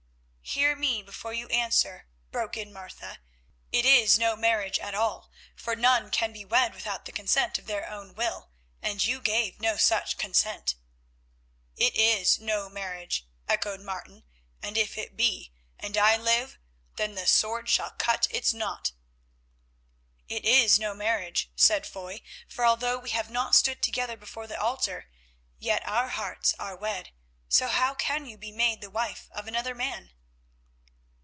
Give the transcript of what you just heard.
"Hear me before you answer," broke in Martha. "It is no marriage at all, for none can be wed without the consent of their own will, and you gave no such consent." "It is no marriage," echoed Martin, "and if it be, and I live, then the sword shall cut its knot." "It is no marriage," said Foy, "for although we have not stood together before the altar, yet our hearts are wed, so how can you be made the wife of another man?"